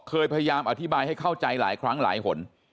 พยายามอธิบายให้เข้าใจหลายครั้งหลายหน